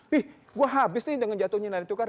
wih gue habis nih dengan jatuhnya nari tukar